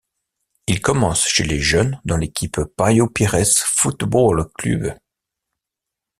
Il commence chez les jeunes dans l'équipe Paio Pires Futebol Clube.